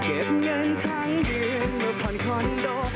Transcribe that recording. เก็บเงินทั้งยืนและพอร์นคอนโด